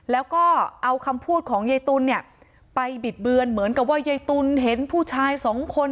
แล้วก็เอาคำพูดของยายตุ๋นเนี่ยไปบิดเบือนเหมือนกับว่ายายตุ๋นเห็นผู้ชายสองคน